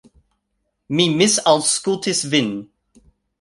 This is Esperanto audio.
Mi misaŭskultis vin.